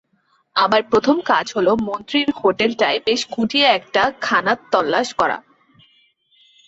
আমার প্রথম কাজ হল মন্ত্রীর হোটেলটায় বেশ খুঁটিয়ে একটা খানাতল্লাশ করা।